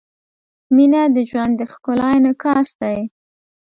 • مینه د ژوند د ښکلا انعکاس دی.